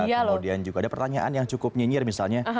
kemudian juga ada pertanyaan yang cukup nyinyir misalnya